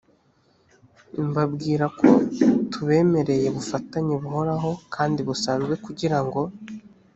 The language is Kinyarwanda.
mbabwira ko tubemereye ubufatanye buhoraho kandi busanzwe kugira ngo